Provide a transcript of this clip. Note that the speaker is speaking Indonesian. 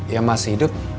yang masih hidup